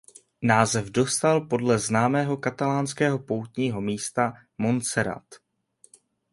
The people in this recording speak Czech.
Název dostal podle známého katalánského poutního místa Montserrat.